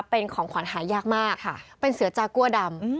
เป็นของขวัญหายากมากเป็นเสือจากัวดำ